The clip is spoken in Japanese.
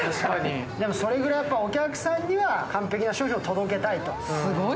でも、それぐらいお客さんには完璧な商品を届けたいと。